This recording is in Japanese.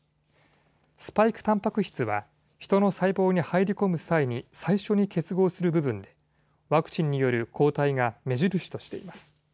スパイクたんぱく質はヒトの細胞に入り込む際に最初に結合する部分、ワクチンによる抗体が目印としています。